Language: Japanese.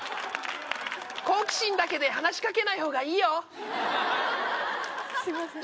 好奇心だけで話しかけない方がいいよすいません